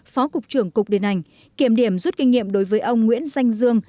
phó cục trưởng cục điện ảnh kiểm điểm rút kinh nghiệm đối với ông nguyễn danh dương